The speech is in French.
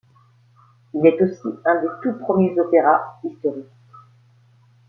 Il est aussi un des tout premiers opéras historiques.